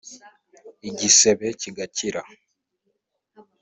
igisebe kigakira